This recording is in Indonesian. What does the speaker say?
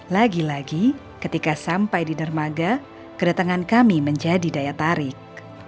lagi lagi ketika sampai di dermaga kedatangan kami menjadi daya tarik